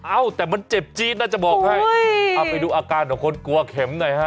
เอ้าแต่มันเจ็บจี๊ดน่าจะบอกให้เอาไปดูอาการของคนกลัวเข็มหน่อยฮะ